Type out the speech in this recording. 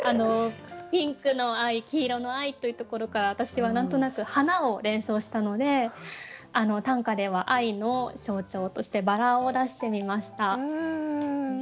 「ピンクの愛」「黄色の愛」というところから私は何となく花を連想したので短歌では愛の象徴として薔薇を出してみました。